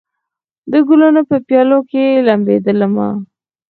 د ګلونو په پیالو کې لمبېدمه